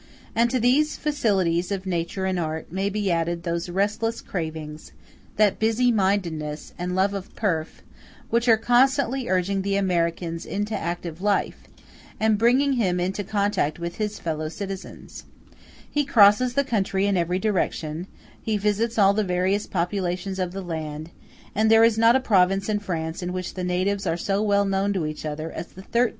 *u And to these facilities of nature and art may be added those restless cravings, that busy mindedness, and love of pelf, which are constantly urging the American into active life, and bringing him into contact with his fellow citizens. He crosses the country in every direction; he visits all the various populations of the land; and there is not a province in France in which the natives are so well known to each other as the 13,000,000 of men who cover the territory of the United States.